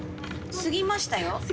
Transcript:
過ぎました？